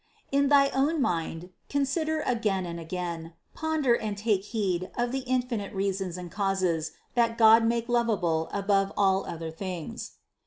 In thy own mind consider again and again, ponder and THE CONCEPTION 407 take heed of the infinite reasons and causes that make God lovable above all other things.